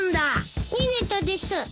逃げたです。